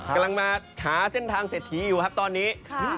กำลังมาหาเส้นทางเศรษฐีอยู่ครับตอนนี้